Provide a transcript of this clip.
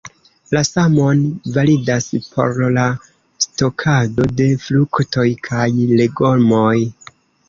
La samon validas por la stokado de fruktoj kaj legomoj.